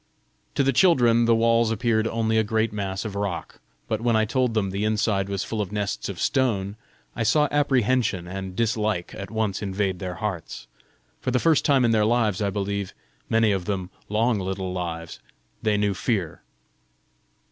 To the children the walls appeared only a great mass of rock, but when I told them the inside was full of nests of stone, I saw apprehension and dislike at once invade their hearts: for the first time in their lives, I believe many of them long little lives they knew fear.